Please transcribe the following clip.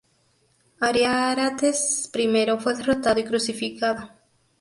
Ariarates I fue derrotado y crucificado.